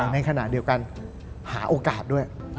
ในขณะเดียวกันหาโอกาสด้วย